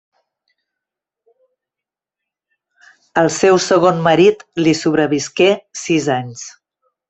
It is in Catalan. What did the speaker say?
El seu segon marit li sobrevisqué sis anys.